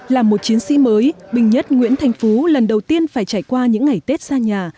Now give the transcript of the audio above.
là một chiến sĩ mới bình nhất nguyễn thành phú lần đầu tiên phải trải qua những ngày tết xa nhà